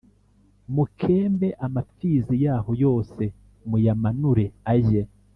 Mukembe amapfizi yaho yose muyamanure ajye